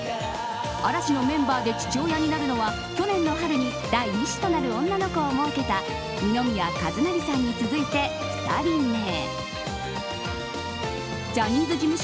嵐のメンバーで父親になるのは去年の春に第１子となる女の子をもうけた二宮和也さんに続いて２人目。